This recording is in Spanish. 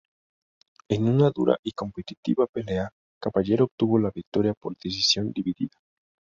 En una dura y competitiva pelea, Caballero obtuvo la victoria por decisión dividida.